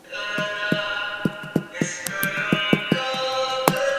یہ تصویر سیدھی کرو